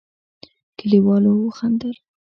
کليوالو وخندل.